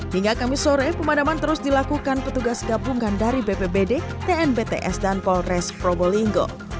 hingga kamis sore pemadaman terus dilakukan petugas gabungan dari bpbd tnbts dan polres probolinggo